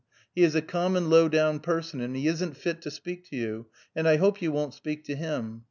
He is a common low down person, and he isn't fit to speake to you, and I hope you wont speake to him.